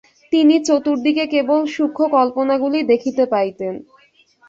তিনি চতুর্দিকে কেবল সূক্ষ্ম কল্পনাগুলি দেখিতে পাইতেন।